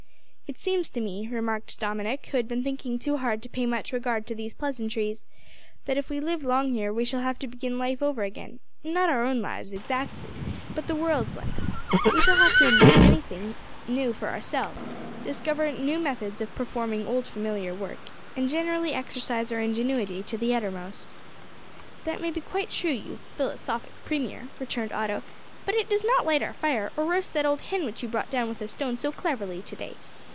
"It seems to me," remarked Dominick, who had been thinking too hard to pay much regard to these pleasantries, "that if we live long here we shall have to begin life over again not our own lives, exactly, but the world's life. We shall have to invent everything anew for ourselves; discover new methods of performing old familiar work, and, generally, exercise our ingenuity to the uttermost." "That may be quite true, you philosophic Premier," returned Otto, "but it does not light our fire, or roast that old hen which you brought down with a stone so cleverly to day.